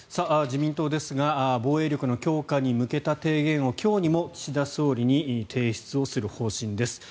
自民党ですが防衛力の強化に向けた提言を今日にも岸田総理に提出する方針です。